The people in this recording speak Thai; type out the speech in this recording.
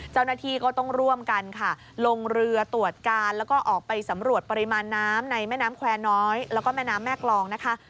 เจ้าหน้าที่ก็ต้องร่วมกันค่ะลงเรือตรวจการแล้วก็ออกไปสำรวจปริมาณน้ำในแม่น้ำแควร์น้อยแล้วก็แม่น้ำแม่กรองนะคะ